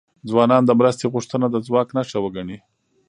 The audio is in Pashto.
ځوانان د مرستې غوښتنه د ځواک نښه وګڼي.